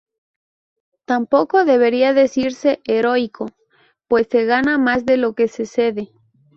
Tampoco debería decirse "heroico" pues se gana más de lo que se cede.